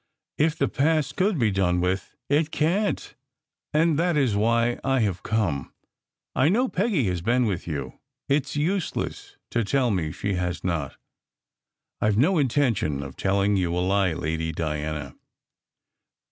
If the past could be done with! It can t, and that is why I have come. I know Peggy has been with you. It s useless to tell me she has not." "I ve no intention of telling you a lie, Lady Diana."